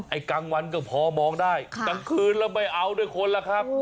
กลางวันก็พอมองได้กลางคืนแล้วไม่เอาด้วยคนล่ะครับ